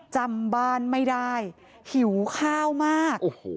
จำบ้านไม่ได้หิวข้าวมาก